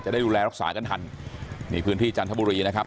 ได้ดูแลรักษากันทันนี่พื้นที่จันทบุรีนะครับ